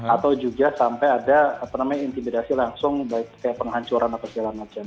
atau juga sampai ada apa namanya intimidasi langsung baik penghancuran atau segala macam